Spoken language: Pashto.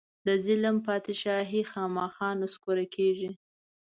د ظلم بادچاهي خامخا نسکوره کېږي.